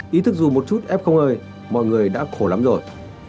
ý thức dù một chút f không ơi mọi người đã khổ lắm rồi